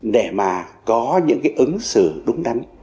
để mà có những cái ứng xử đúng đắn